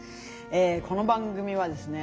この番組はですね